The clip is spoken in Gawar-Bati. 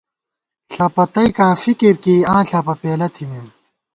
ݪپہ تئیکاں فکرکېئ ، آں ݪپہ پېلہ تھِمېم